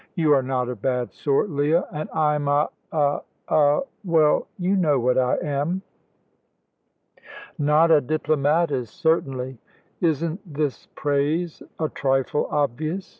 You are not a bad sort, Leah, and I'm a a a well, you know what I am." "Not a diplomatist, certainly. Isn't this praise a trifle obvious?